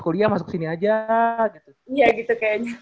kuliah masuk sini aja gitu